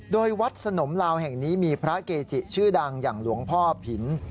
โดยวัดสนมลาวแห่งนี้มีพระเกจิชื่อดังอย่างหลวงพ่อผิน